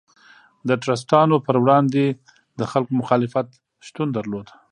د ټرستانو پر وړاندې د خلکو مخالفت شتون درلود.